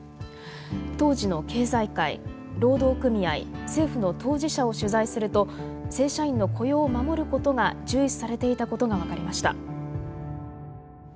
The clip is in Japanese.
当時の経済界労働組合政府の当事者を取材すると正社員の雇用を守ることが重視されていたことが分かりました。